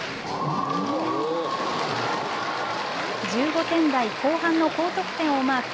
１５点台後半の高得点をマーク。